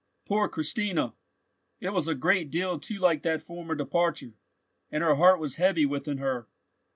Poor Christina! It was a great deal too like that former departure, and her heart was heavy within her!